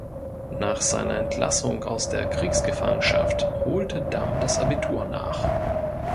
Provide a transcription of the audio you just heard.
Nach seiner Entlassung aus der Kriegsgefangenschaft holte Damm das Abitur nach.